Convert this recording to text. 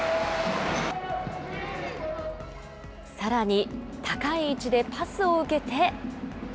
さらに、高い位置でパスを受けて。